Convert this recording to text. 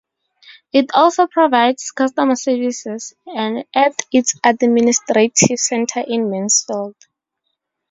It also provides customer services at its administrative centre in Mansfield.